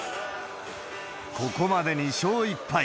ここまで２勝１敗。